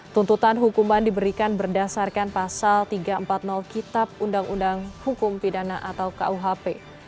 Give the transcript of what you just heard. tuntutan hukuman diberikan berdasarkan pasal tiga ratus empat puluh kitab undang undang hukum pidana atau kuhp